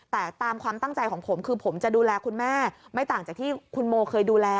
แต่ตามความตั้งใจของผมคือผมจะดูแลคุณแม่ไม่ต่างจากที่คุณโมเคยดูแล